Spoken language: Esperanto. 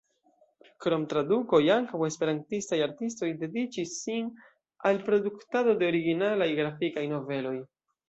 Krom tradukoj, ankaŭ esperantistaj artistoj dediĉis sin al produktado de originalaj grafikaj noveloj.